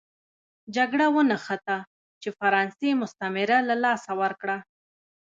جګړه ونښته چې فرانسې مستعمره له لاسه ورکړه.